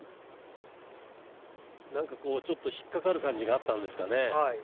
なんか引っかかる感じがあったんですかね？